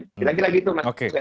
tidak kira gitu mas